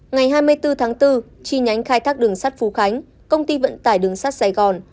ngày hai mươi bốn tháng bốn chi nhánh khai thác đường sắt phú khánh công ty vận tải đường sắt sài gòn